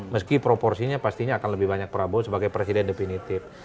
meski proporsinya pastinya akan lebih banyak prabowo sebagai presiden definitif